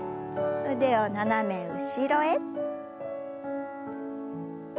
腕を斜め後ろへ。